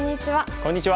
こんにちは。